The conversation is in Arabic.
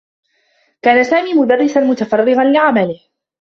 كان سامي مدرّسا متفرّغا لعمله.